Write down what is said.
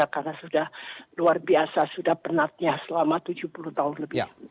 karena sudah luar biasa sudah penatnya selama tujuh puluh tahun lebih